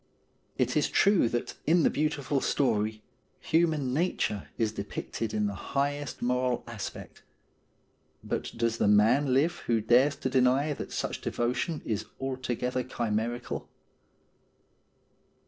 It is true that in the beautiful story human nature is depicted in the highest moral aspect ; but does the man live who dares to deny that such devotion is altogether chimerical